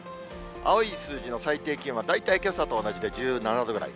青い数字の最低気温は、大体けさと同じで１７度ぐらい。